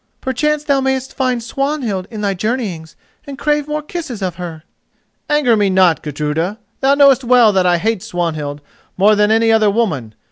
Perchance thou mayest find Swanhild in thy journeyings and crave more kisses of her?" "Anger me not, Gudruda! thou knowest well that I hate Swanhild more than any other woman.